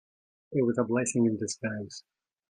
It was a blessing in disguise.